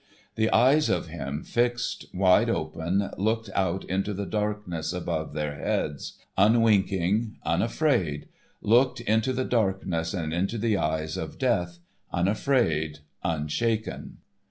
The eyes of him fixed, wide open, looked out into the darkness above their heads, unwinking, unafraid—looked into the darkness and into the eyes of Death, unafraid, unshaken.